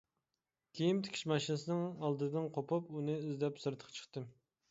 كىيىم تىكىش ماشىنىسىنىڭ ئالدىدىن قوپۇپ ئۇنى ئىزدەپ سىرتقا چىقتىم.